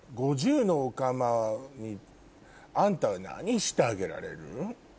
５０のオカマにあんたは何してあげられる？